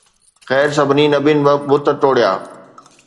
خير، سڀني نبين بت ٽوڙيا.